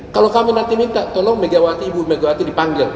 kalau kami nanti minta tolong megawati ibu megawati dipanggil